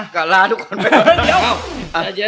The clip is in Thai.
ก็ลาทุกคนไปก่อน